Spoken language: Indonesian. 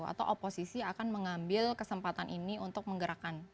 atau oposisi akan mengambil kesempatan ini untuk menggerakkan